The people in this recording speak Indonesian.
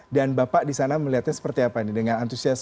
dan bapak disana melihatnya seperti apa nih dengan antusias